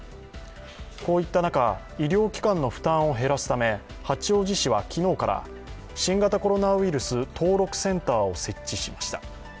こういった中、医療機関の負担を減らすため、八王子市は昨日から新型コロナウイルス登録センターを設置しました。